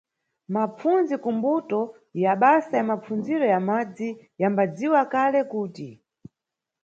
Mapfundzi kumbuto ya basa na mapfundziro ya madzi, yambadziwa kale kuti.